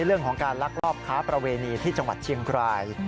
เรื่องของการลักลอบค้าประเวณีที่จังหวัดเชียงราย